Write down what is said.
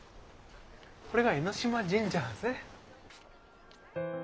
これが江島神社なんですね。